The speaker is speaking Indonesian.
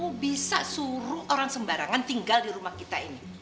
kamu bisa suruh orang sembarangan tinggal di rumah kita ini